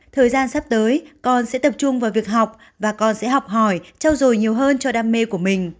thời gian sắp tới con sẽ tập trung vào việc học và con sẽ học hỏi trao dồi nhiều hơn cho đam mê của mình